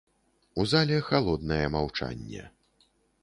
У зале халоднае маўчанне.